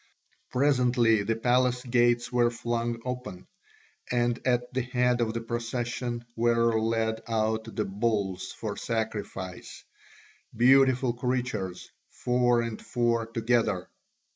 Presently the palace gates were flung open, and at the head of the procession were led out the bulls for sacrifice, beautiful creatures, four and four together.